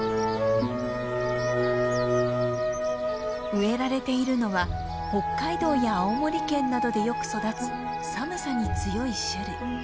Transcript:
植えられているのは北海道や青森県などでよく育つ寒さに強い種類。